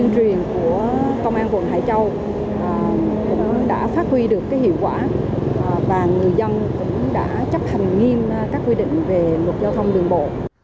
nó đã phát huy được cái hiệu quả và người dân cũng đã chấp hành nghiêm các quy định về luật giao thông đường bộ